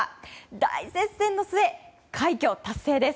大接戦の末、快挙達成です。